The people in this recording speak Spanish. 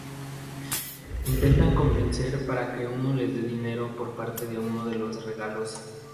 Intentan convencerla para que les de dinero por parte de uno de los "regalos".